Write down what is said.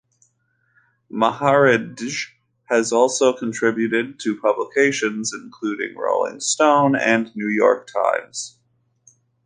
Maharidge has also contributed to publications including "Rolling Stone" and the "New York Times".